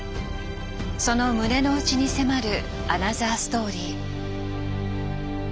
その胸の内に迫るアナザーストーリー。